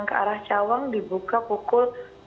di bawah cawang dibuka pukul empat empat puluh satu